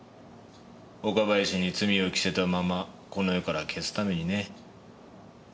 岡林に罪をきせたままこの世から消すためにね。